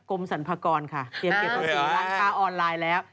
กรมสรรพากรค่ะเกี่ยวเก็บตัวสิร้างค้าออนไลน์แล้ว